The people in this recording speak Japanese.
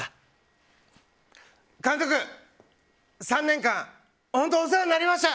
監督、３年間本当にお世話になりました！